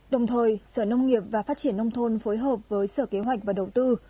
đồng thời sở nông nghiệp và phát triển nông thôn phối hợp với sở kế hoạch và đầu tư